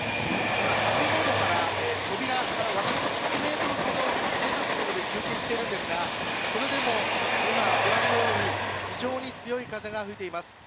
今建物から扉から私、１ｍほど出たところで中継しているんですが、それでも今、ご覧のように非常に強い風が吹いています。